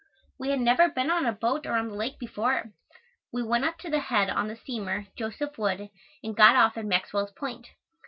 We had never been on a boat or on the lake before. We went up to the head on the steamer "Joseph Wood" and got off at Maxwell's Point.